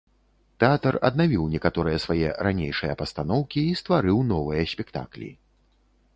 Тэатр аднавіў некаторыя свае ранейшыя пастаноўкі і стварыў новыя спектаклі.